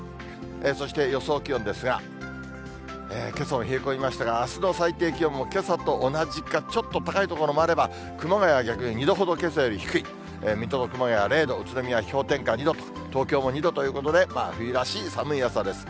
そして予想気温ですが、けさも冷え込みましたが、あすの最低気温もけさと同じか、ちょっと高い所もあれば、熊谷は逆に２度ほどけさより低い、水戸も熊谷も０度、宇都宮は氷点下２度と、東京も２度ということで、冬らしい寒い朝です。